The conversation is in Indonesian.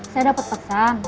saya dapat pesan